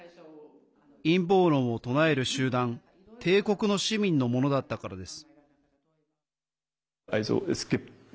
陰謀論を唱える集団帝国の市民のものだったからです。